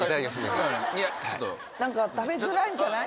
何か食べづらいんじゃない？